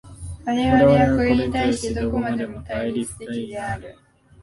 我々はこれに対してどこまでも対立的である。